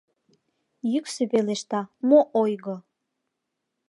Йӱксӧ пелешта: «Мо ойго!